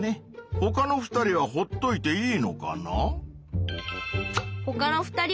ほかの２人はほっといていいのかな？